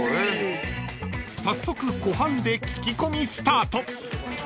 ［早速湖畔で聞き込みスタート］